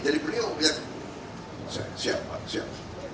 jadi beliau yang siap siap